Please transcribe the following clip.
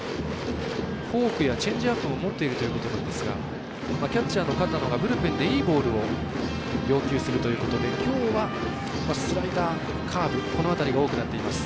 フォークやチェンジアップも持っているということなんですがキャッチャーの片野はブルペンでよかったボールを要求するということできょうは、スライダー、カーブこの辺りが多くなっています。